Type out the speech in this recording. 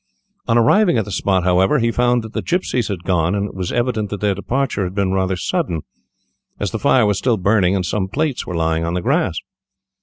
On arriving at the spot, however, he found that the gipsies had gone, and it was evident that their departure had been rather sudden, as the fire was still burning, and some plates were lying on the grass.